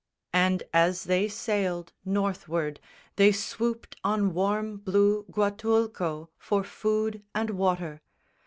And as they sailed Northward, they swooped on warm blue Guatulco For food and water.